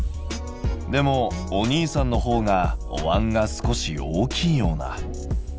でもお兄さんのほうがおわんが少し大きいような。